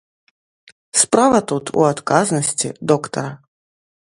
Справа тут у адказнасці доктара.